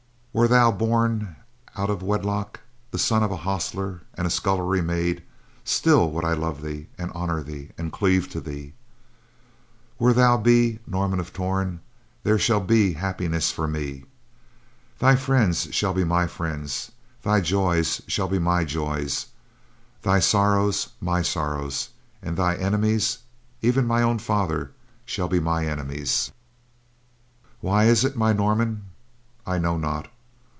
"Were thou born out of wedlock, the son of a hostler and a scullery maid, still would I love thee, and honor thee, and cleave to thee. Where thou be, Norman of Torn, there shall be happiness for me. Thy friends shall be my friends; thy joys shall be my joys; thy sorrows, my sorrows; and thy enemies, even mine own father, shall be my enemies. "Why it is, my Norman, I know not.